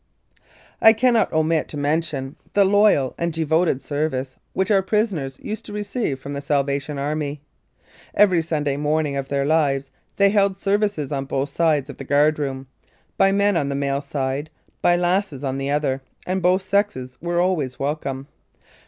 I cannot omit to mention the loyal and devoted service which our prisoners used to receive from the Salvation Army. Every Sunday morning of their lives they held services on both sides of the guard room, by men on the male side, by lasses on the other, and both sexes were always welcome.